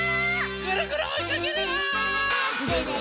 ぐるぐるおいかけるよ！